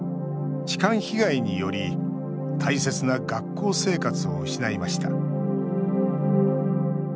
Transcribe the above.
痴漢被害により大切な学校生活を失いました